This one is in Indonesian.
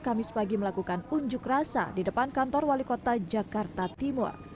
kamis pagi melakukan unjuk rasa di depan kantor wali kota jakarta timur